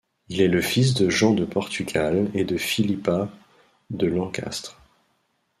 Il est le fils de Jean de Portugal et de Philippa de Lancastre.